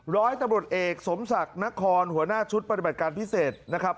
ร้อยตำรวจเอกสมศักดิ์นครหัวหน้าชุดปฏิบัติการพิเศษนะครับ